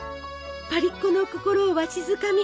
パリっ子の心をわしづかみ。